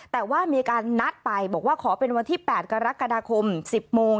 แต่ว่ามีการนัดไปบอกว่าขอเป็นวันที่๘กรกฎาคม๑๐โมง